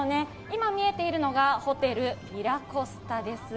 今、見えているのがホテルミラコスタです。